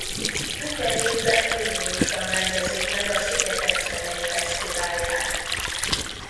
Minden évben júliusban rendezik meg a szigetek zenei fesztiválját.